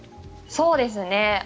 そうですね。